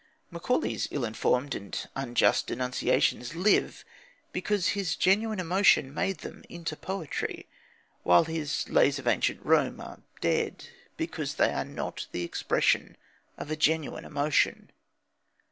Macaulay's ill informed and unjust denunciations live because his genuine emotion made them into poetry, while his Lays of Ancient Rome are dead because they are not the expression of a genuine emotion.